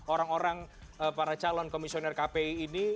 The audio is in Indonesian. orang orang para calon komisioner kpi ini